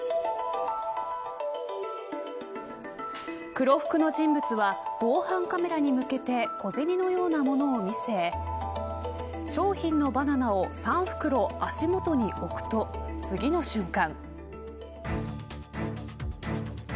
黒服の人物は防犯カメラに向けて小銭のようなものを見せ商品のバナナを３袋足元に置くと、次の瞬間。